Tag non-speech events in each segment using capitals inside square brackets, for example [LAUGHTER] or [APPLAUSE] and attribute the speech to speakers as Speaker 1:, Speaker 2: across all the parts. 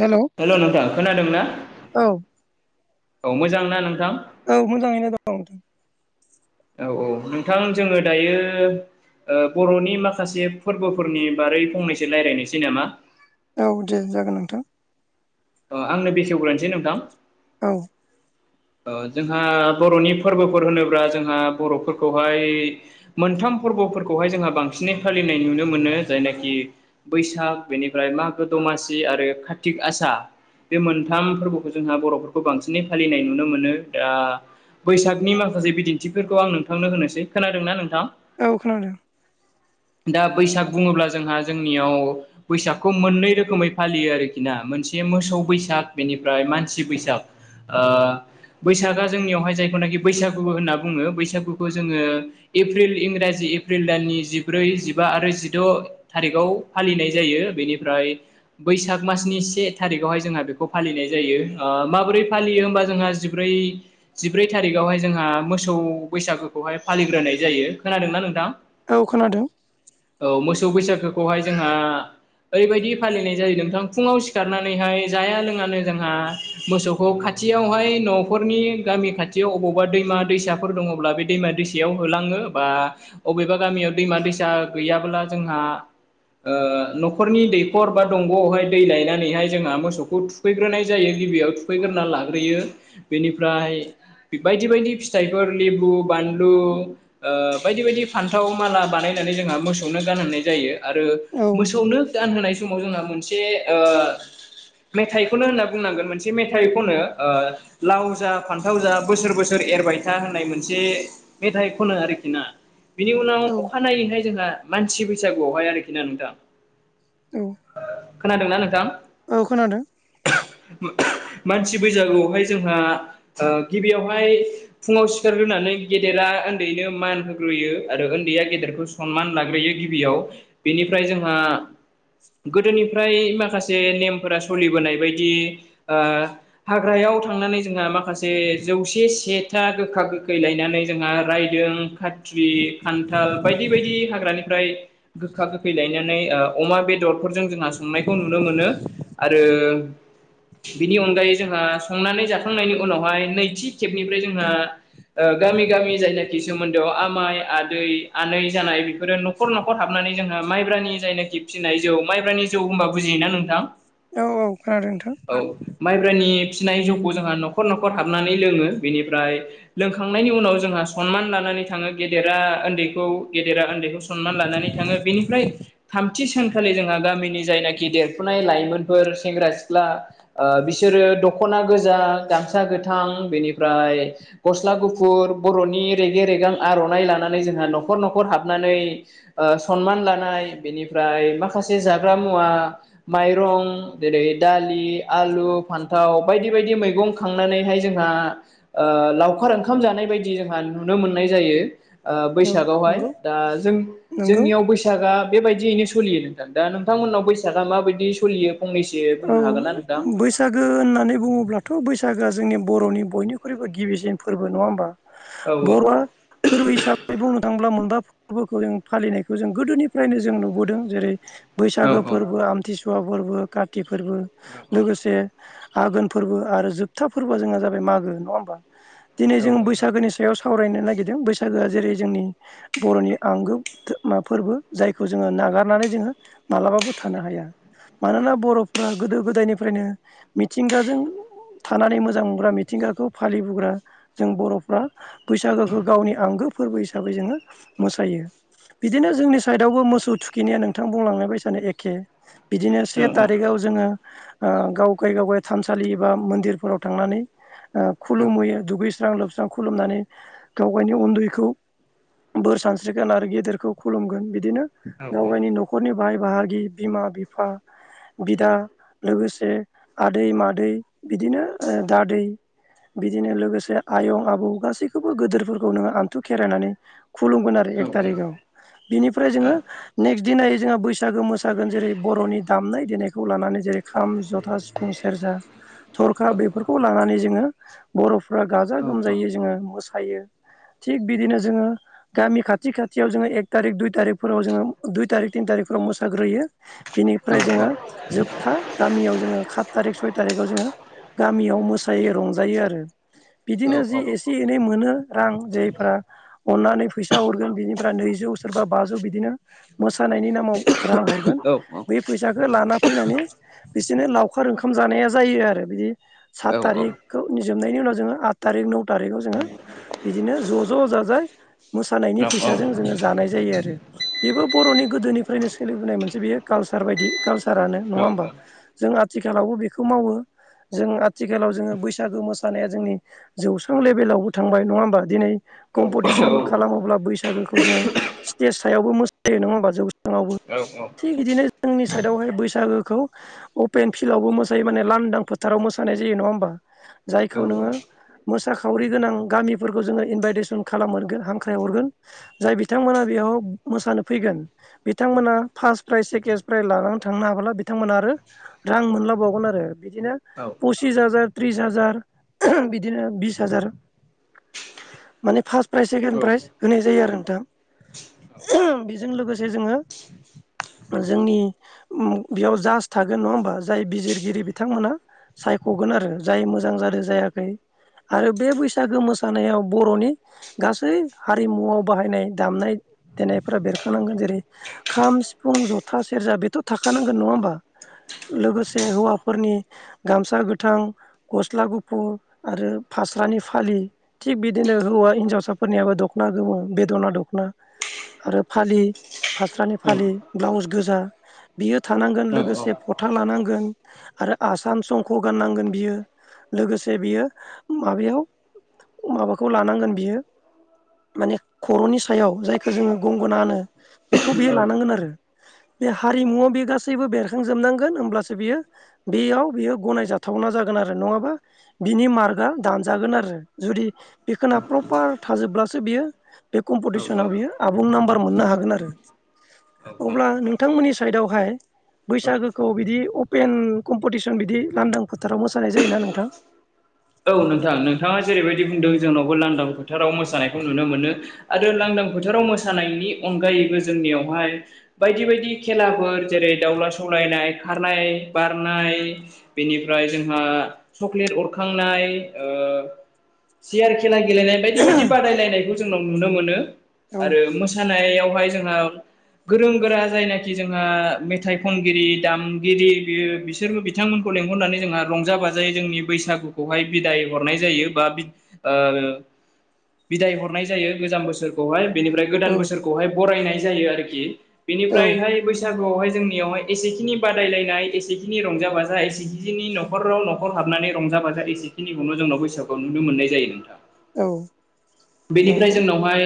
Speaker 1: Hello
Speaker 2: hello नोंथां खोनादों ना
Speaker 1: औ
Speaker 2: औ मोजां ना नोंथां?
Speaker 1: औ मोजाङैनो दं।
Speaker 2: औ औ नोंथां जोङो दायो बर'नि माखासे फोरबोफोरनि बारै फंनैसो रायज्लायनोसै नामा?
Speaker 1: औ दे जागोन नोंथां।
Speaker 2: आंनो बेखेवग्रोनोसै नोंथां।
Speaker 1: औ।
Speaker 2: जोंहा बर'नि फोरबोफोर होनोब्ला जोंहा बर'फोरखौहाय मोनथाम फोरबोफोरखौहाय जोंहा बांसिनै फालिनाय नुनो मोनो जायनाखि बैसाग बेनिफ्राय मागो द दमासि आरो कार्तिक आसा बे मोनथाम फोरबोखौ जोंहा बर'फोरखौ बांसिनै फालिनाय न नुनो मोनो ओ बैसागनि माखासे बिदिन्फोरखौ आं नोंथांनो होनोसै खोनादों ना नों?
Speaker 1: औ खोनादों।
Speaker 2: दा बैसाग बुङोब्ला जोंहा जोंनियाव बैसागखौ मोननै रोखोमै फालियो आरोखि ना मोनसे बे मोसौ बैसाग बेनिफ्राय मानसि बैसाग ओ बैसागा जोंनियावहाय जायखौनाखि बैसागु होनना बुङो बैसागुखौ जोङो एप्रिल इंराजि जि एप्रिल दाननि जिब्रै जिबा आरो जिद' थारिखाव फालिनाय जायो बेनिफ्राय बैसाग मासनि से थारिखावहाय जोंहा बेखौ फालिनाय जायो माबोरै फालियो होमबा जोंहा जिब्रै जिब्रै थारिखआवहाय जोंहा मोसौ बैसागोखौहाय फालिग्रोनाय जायो। खोनादों ना नोंथां?
Speaker 1: औ खोनादों।
Speaker 2: औ मोसौ बैसागोखौहाय जोंहा ओरैबायदि फालिनाय जायो नोंथां फुङाव सिखारनानैहाय जाया लोङानो जोंहा मोसौखौ खाथि यावहाय न'फोरनि गामि खाथियाव अबावबा दैमा दैसाफोर दङब्ला बे दैमा दैसायाव होलाङो बा बबेबा गामियाव दैमा दैसा गैयाब्ला जोंहा ओ न'खरनि दैखर बा दंग'आवहाय दै लायनानैहाय जोंहा मोसौखौ थुखैग्रोनाय जायो। गिबियाव थुगैग्रोना लाग्रोयो बेनिफ्राय बायदि बायदि फिथाइफोर लेबु बानलु ओ बायदि बायदि फान्थाव माला बानाय जों मोसौनो गानहोनाय जायो आरो
Speaker 1: औ
Speaker 2: मोसौनो गानहोनाय समाव जोंहा मोनसे ओ मेथाइखौनो होनना बुंनांगोन मोनसे मेथाइ खनो ओ लाव जा फान्थाव जा बोसोर बोसोर एरबाय था होननाय मोनसे मेथाइ खनो आरोखि ना। बिनि उनाव
Speaker 1: औ
Speaker 2: अखानायैहाय जोंहा मानसि बैसागुआवहाय आरोखि ना नोंथां
Speaker 1: औ
Speaker 2: खोनादोंना नोंथां?
Speaker 1: औ खोनादों।
Speaker 2: मानसि बैसागुआवहाय जोंहा गिबियावहाय फुङाव सिखारग्रोनानै गेदेरा उन्दैनो मान होग्रो यो आरो उन्दैया गेदेरखौ सनमान लाग्रोयो गिबियाव बेनिफ्राय जोंहा गोदोनिफ्राय माखासे नेमफोरा सोलिबोनाय बायदि ओ हाग्रायाव थांनानै जोंहा माखासे जौसे सेथा गोखा गोखै लायनानै जोंहा रायदों खा खान्थाल बायदि बायदि हाग्रानिफ्राय गोखा गोखै लायनानै अमा बेदर जों जोंहा संनायखौ नुनो मोनो आरो बिनि अनगायै जोंहा संनानै जाखांनायनि उनावहाय नैथि खेबनिफ्राय जोंहा ओ गामि गामि जायनाखि सोमोन्दोआव आमाय आदै आनै जानाय बेफोरो न'खर न'खर हाबनानै जोंहा माइब्रानि जायनाखि फिनाय जौ माइब्रानि जौ होनबा बुजियोना नोंथां?
Speaker 1: औ औ खोनादों नोंथां
Speaker 2: औ माइब्रानि फिनाय जौखौ जोंहा न'खर न'खर हाबनानै लोंङो बेनिफ्राय लोंखांनायनि उनाव जोंहा सनमान लाना नै थांङो गेदेरा ओन्दैखौ गेदेरा ओन्दैखौ सनमान लानानै थांङो बेनिफ्राय थामथि सानखालि जोंहा गामिनि जायनाखि देरफुनाय लाइमोनफोर सेंग्रा सिख्ला ओ बिसोरो दख ख'ना गोजा गामसा गोथां बेनिफ्राय गस्ला गुफुर बर'नि रेगि रेग रेगां आर'नाइ लानानै जोंहा न'खर न'खर हाबनानै ओ सनमान लानाय बेनिफ्राय माखासे जाग्रा मुवा माइरं जेरै दालि आलु फान थाव बायदि बायदि मैंग खांनानैहाय जोंहा ओ लावखार ओंखाम जानाय बायदि जोंहा नुनो नो मोननाय जायो ओ
Speaker 1: औ
Speaker 2: बैसागावहाय
Speaker 1: नंगौ
Speaker 2: दा जों
Speaker 1: नंगौ
Speaker 2: जोंनियाव बैसागा बेबायदियैनो सोलियो नोंथां दा नोंथांमोननाव बैसागआ माबायदि सलियो
Speaker 1: औ बैसागो होननानै बुङोब्लाथ' बैसागोआ जोंनि बर'नि बयनिख्रुइबो गिबिसिन फोरबो नंङा होमबा
Speaker 2: औ
Speaker 1: बर'आ फोरबो हिसाबै बुंङो नांब्ला मोनबा फोरबोखौ जों फालिनायखौ जों गोदोनिफ्रायनो जों नुबोदों जेरै बैसागो फोरबो आमथिसुवा फोरबो काति फोरबो लोगोसे आघोन फोरबो आरो जोबथा फोरबोआ जोंना जाबाय मागो नंङा होमबा दिनै जों बैसागोनि सायाव सावरायनो नागिरदों बैसागोआ जेरै जोंनि बर'नि आंगो थो ना फोरबो जायखौ जोंङो नागारनानै जोंङो मालाब बाबो थानो हाया मानोना बर'फोरा गोदो गोदायनिफ्रायनो मिथिंगाजों थानानै मोजां मोनग्रा मिथिंगाखौ फालिबोग्रा जों बर'फ्रा बैसागोखौ गावनि आंगो फोरबो हिसाबै जोंङो मोसायो। बिदिनो जोंनि साइदआवबो मोसौ थुखिनाया नोंथां बुंलांनाय बायसानो एखे बिदिनो
Speaker 2: औ
Speaker 1: से
Speaker 2: औ
Speaker 1: तार नो ओ गावगाय गावगाय थानसालि बा मन्दिरफोराव थांनानै ओ खुलुहैयो दुगैस्रां लोबस्रां खुलुमनानै गावगायनि उन्दैखौ बोर सानस्रिगोन आरो गेदेरखौ खुलुमगोन बिदिनो गावगायनि न'खरनि बाय बाहागि बिमा बिफा बिदा लोगोसे आदै मादै बिदिनो ओ दादै बिदिनो लोगोसे आयं आबौ गासैखौबो गोदोरफोरखौ नोंङो आनथु खेरायनानै खुलुमगोन आरो एक थारिखआव बिनिफ्राय जोंङो नेक्स्ट दिनै जोंहा बैसागो मोसागोन जेरै बर'नि दामनाय देनाइ खौ लानानै जेरै खाम ज'था सिफुं सेरजा थरखा बेफोरखौ लानानै जोंङो बर' र'फ्रा गाजा गोमजायै जोंङो मोसायो थिग बिदिनो जोंङो गामि खाथि खाथियाव जोंङो एक तारिक दुइ तारिकफोराव जोंङो दुइ तारिक तिन तारिकफोराव मोसाग्रोयो बेनिफ्राय जोंङो जोबथा गामियाव जोंङो खात तारिक सय तारिकाव जोंङो गामियाव मोसायो रंजायो आरो बिदिनो जि एसे एनै मोनो रां जायफ्रा अननानै फैसा हरगोन बिनिफ्राय नैजो जौ सोरबा बाजौ बिदिनो मोसानायनि नामाव रां हरगोन बै फैसाखौ लाना फैनानै बिसोरनो लावखार ओंखाम जानाया जायो आरो बिदि सात तारिकखौ नि जोबनायनि उनाव जोंङो आत थारिख नौ थारिगाव जोंङो बिदिनो ज' ज' जाजा मोसानायनि फैसाजों जोंङो जानाय जायो आरो बेबो बर'नि गोदोनिफ्रायनो सोलिबोनाय मोनसे बेयो का लसार बायदि कालसारानो नंङा होमबा जों आथिखालावबो बेखौ मावो जों आथिखालाव जोंङो बैसागो मोसानाया जोंनि जौस्रां लेभेलावबो थांबाय नंङा होमबा दिनै कम्प'टिसन खालामोब्ला बैसागोखौ जोंङो स्टेज सायावबो मोसायो नंङा होमबा जौ
Speaker 2: औ औ
Speaker 1: जोंनि साइद बेयावहाय बैसागोखौ अपेन फिल्डआवबो मोसायो माने लान्दां फोथाराव मोसानाय जायो नंङा होमबा जायखौ नोंङो मोसाखावरि गोनां गामिफोरखौ जोंङो इनभाइटेसन खालामहरगोन हांख्रायहरगोन जाय बिथांमोना बेयाव मोसानो फैगोन बिथांमोना फास प्राइज सेकेस प्राइज लानानै थांनो हाबोला बिथांमोनहा आरो रां मोनलांबावगोन आरो बिदिनो पसिस हाजार त्रिस हाजार बिदिनो बिस हाजार माने फार्स्ट प्राइज सेकेणड प्राइज होनाय जायो आरो नोंथां उहो बेजों लोगोसे जोङो जोंनि बेयाव जास्ट थागोन नङा होमबा जाय बिजिरगिरि बिथांमोना सायख'गोन आरो जाय मोजां जादों जायाखै आरो बे बैसागो मोसानायाव बर'नि गासै हारिमुआव बाहायनाय दामनाय देनायफोरा बेरखांनांगोन जेरै खाम सिफुं जथा सेरजा बे थ' थाखानांगोन नङा होमबा। लोगोसे हौवाफोरनि गामसा गोथां, गस्ला गुफुर आरो फा स्रानि फालि थिग बिदिनो हौवा हिन्जावसाफोरनियाबो दख'ना गोमो, बेद'ना दख'ना आरो फालि फास्रानि फालि, ब्लाउस गोजा बियो थानांगोन लोगोसे फथा लानांगोन आरो आसान संख' गाननांगोन बियो लोगोसे बियो माबायाव माबाखौ लानांगोन बियो माने खर'नि सायाव जायखौ जोङो गंगोना होनो बेखौ बेयो लानांगोन आरो
Speaker 2: [INAUDIBLE]
Speaker 1: बे हारिमुवाव बेयो गासैबो बेरखांजोबनांगोन होमब्लासो बियो बेयाव बियो गनायजाथावना जागोन आरो नङाबा बिनि मार्कआ दानजागोन आरो जुदि बेखौना प्रपार थाजोबब्लासो बेयो बे कम्पिटिसनाव बेयो आबुं नाम्बार मोननो हागोन आरो अब्ला नो थांमोननि साइडआवहाय
Speaker 2: औ
Speaker 1: बैसागोखौ बिदि अपेन कम्पिटिसन बिदि लांदां फोथाराव मोसानाय जायोना नोंथां।
Speaker 2: औ नोंथां नोंथाङा जेरैबायदि बुंदों जोंनावबो लांदां फोथाराव मोसानायखौ नुनो मोनो आरो लांदां फोथाराव मोसानायनि अनगायैबो जों नियावहाय बायदि-बायदि खेलाफोर जेरै दाउला सौलायनाय, खारनाय, बारनाय बेनिफ्राय जोंहा चकलेट अर खांनाय ओ सियार खेला गेलेनाय बायदि बायदि बादायलायनाय जोंनाव नुनो मोनो
Speaker 1: औ
Speaker 2: आरो मोसानायावहाय जोंहा गोरों गोरा जायनाखि जोंहा मेथाइ खनगिरि दामगिरि बियो बिसोरबो बिथांमोनखौ लेंहरनानै जोंहा रंजा बाजायै जोंनि बैसाग खौहाय बिदाय हरनाय जायो बा ओ बिदाय हरनाय जायो गोजाम बोसोरखौहाय बेनिफ्राय
Speaker 1: औ
Speaker 2: गोदान बोसोरखौहाय बरायनाय जायो आरोखि
Speaker 1: औ
Speaker 2: बेनिफ्रायहाय बैसाग आवहाय जोंनियावहाय एसेखिनि बादायलायनाय एसेखिनि रंजा बाजा एसेखिनि न'खराव न'खर हाबनाय रंजा बाजा एसेखिनिखौ' जोंनाव बैसागु आव नुनो मोननाय जायो नोंथां।
Speaker 1: औ
Speaker 2: बेनिफ्राय जोंनावहाय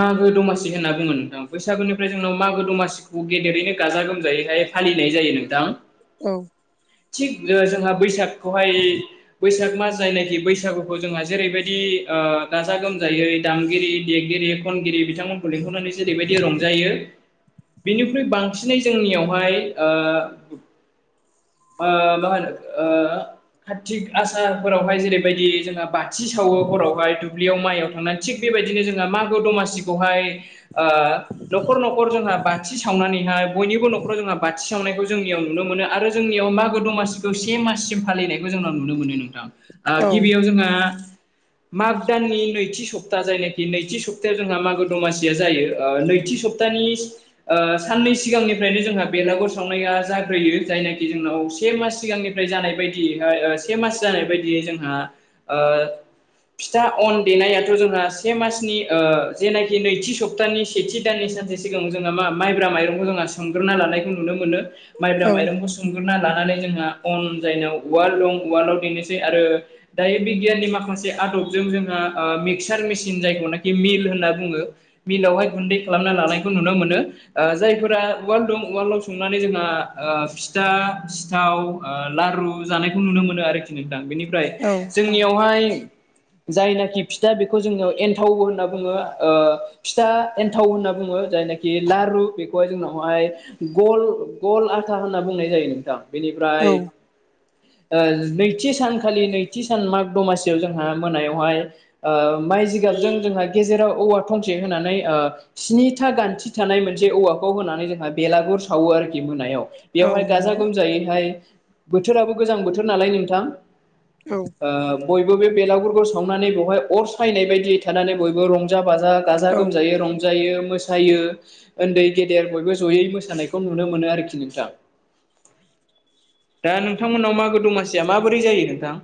Speaker 2: मागो दमासि होनना बुङो नोंथां बैसागुनिफ्राय जोंनाव मागो दमासिखौ गेदेरैनो गाजा गोमजायैहाय फालि नाय जायो नोंथां।
Speaker 1: औ
Speaker 2: थिग जोंहा बैसागखौहाय बैसाग जायनाखि बैसागुखौ जोंहा जेरैबायदि गाजा गोमजा यै दामगिरि देगिरि खनगिरि बिथांमोनखौ लिंहरनानै जेरैबायदि रंजायो बेनिख्रुइ बांसिनै जोंनियावहाय ओ आ मा होनो आ कार्तिक आसाफोरावहाय जेरैबायदि जोंहा बाथि सावो हरावहाय दुब्लियाव माइआव थां थिग बेबायदिनो जोंहा मागो दमासिखौहाय न'खर न'खर जोंहा बा थि सावनानैहाय बयनिबो नखराव जोंहा बाथि सावनायखौ जोंनियाव नुनो मोनो आरो जोंनियाव मागो दमासिखौ सेम माससिम फालिनायखौ जोंनाव नुनो मोनो नोंथां
Speaker 1: औ
Speaker 2: गिबियाव जोंहा माग दाननि नैथि सप्ता जायनाखि नैथि सप्तायाव जोंहा मागो दमासिआ जायो ओ नैथि सप्तानि ओ साननै सिगांनिफ्रायनो जोंहा बेलागुर सावनाया जाग्रोयो जायनाखि जोंनाव से मास सिगांनिफ्राय जानाय बाय दियैहाय ओ से मास जानाय बायदि जोंहा ओ फिथा अन देनाय जोंहा से मासनि ओ जेनाकि नैथि सप्तानि सेथि दाननि सानसे सिगां जोङा मा माइब्रा माइरंखौ जोङा सोमग्रोना लानायखौ नुनो मोनो माइब्रा
Speaker 1: औ
Speaker 2: माइरंखौ सोमग्रोना लानानै जोङा अन जायनाव उवाल दं उवालाव देनोसै आरो दायो बिगियाननि माखासे आदबजों जोङा ओ मि क्सार मेसिन जायखौ नाकि मिल होननानै बङो मिलावहाय गुनदै खालामनानै लानायखौ नुनो मोनो ओ जायफोरा उवाल दं उवालआव सौनानै जोंहा ओ फिथा सिथाव ओ लारु जानायखौ नुनो मोनो आरोखि नोंथां बेनिफ्राय जोंनियावहाय जायनाकि दा बेखौ जोङो एन्थाव होनना बुङो ओ फिथा एन्थाव होनना बुङो जायनाखि लारु बेखौहाय जोंनावहाय गल गल आथा होनना बुंनाय जायो नोंथां बेनिफ्राय ओ नैथि सानखालि नैथि सान माग दमासियाव जोंहा मोनायावहाय ओ माइ जिगाबजों जोंहा गेजेराव औवा थंसे होनानै ओ स्निथा गान्थि थानाय मोन थि औवाखौ होनानै जोंहा बेलागुर सावो आरो मोनायाव
Speaker 1: औ
Speaker 2: बेयावहाय गाजा
Speaker 1: नंगौ
Speaker 2: गोमजायैहाय बोथोराबो गोजां बोथोर नालाय नोंथां
Speaker 1: औ
Speaker 2: ओ बयबो बे बेलागुरखौ सावनानै बेवहाय अर सायनाय बायदियै थानानै बयबो रं जा बाजा गाजा
Speaker 1: औ
Speaker 2: गोमजायै रंजायो मोसायो उन्दै गेदेर बयबो जयै मोसानायखौ नुनो मोनो आरोखि नोंथां दा नोंथांमोनाव मागो दमासिया माबोरै जायो नोंथां